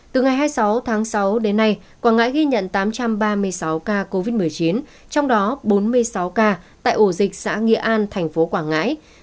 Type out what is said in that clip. từ ngày hai mươi sáu tháng sáu đến nay quảng ngãi ghi nhận tám trăm ba mươi sáu ca covid một mươi chín trong đó bốn mươi sáu ca tại ổ dịch xã nghĩa an thành phố quảng ngãi